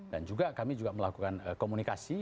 dan juga kami juga melakukan komunikasi